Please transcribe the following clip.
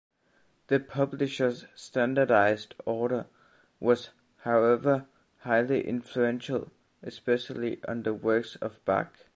The publisher's standardized order was, however, highly influential especially on the works of Bach.